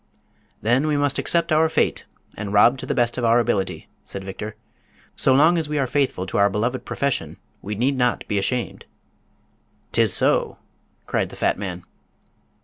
"Then we must accept our fate and rob to the best of our ability," said Victor. "So long as we are faithful to our beloved profession we need not be ashamed." "'Tis so!" cried the fat man.